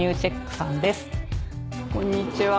こんにちは。